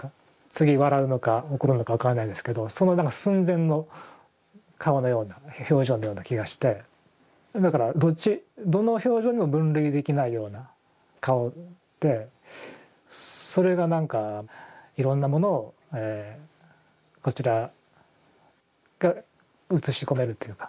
次笑うのか怒るのか分からないですけどそのなんか寸前の顔のような表情のような気がしてだからどっちどの表情にも分類できないような顔でそれがなんかいろんなものをこちらがうつし込めるっていうか。